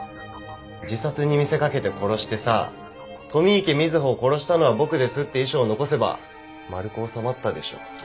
自殺に見せかけて殺してさ「富池瑞穂を殺したのは僕です」って遺書を残せば丸く収まったでしょ？